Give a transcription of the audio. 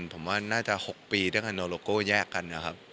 ผมว่าน่าจะ๖ปีด้วยกันโนโลโก้แยกกันนะครับ